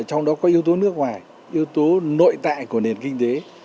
trong đó có yếu tố nước ngoài yếu tố nội tại của nền kinh tế